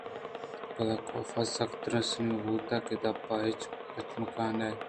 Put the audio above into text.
پدا کاف سک ترسینگ بوتگ کہ دپ ءَ پچ نہ کنئے